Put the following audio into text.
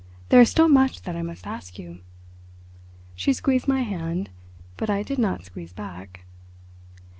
"There is still much that I must ask you." She squeezed my hand, but I did not squeeze back.